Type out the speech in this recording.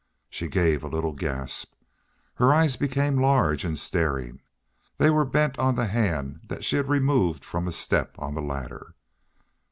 She gave a little gasp. Her eyes became large and staring. They were bent on the hand that she had removed from a step on the ladder.